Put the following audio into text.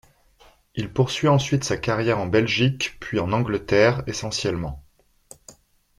Il poursuit ensuite sa carrière en Belgique puis en Angleterre, essentiellement.